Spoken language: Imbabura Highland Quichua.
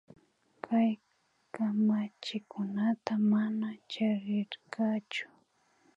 Kay kamachikunata mana charirkachu